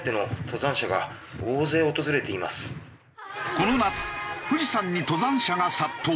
この夏富士山に登山者が殺到。